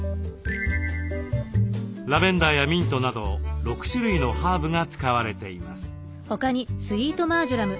ラベンダーやミントなど６種類のハーブが使われています。